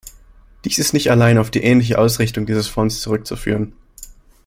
Dies ist nicht allein auf die ähnliche Ausrichtung dieses Fonds zurückzuführen.